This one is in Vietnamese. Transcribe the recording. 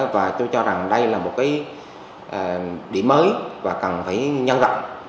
và tôi cho rằng đây là một cái điểm mới và cần phải nhân rộng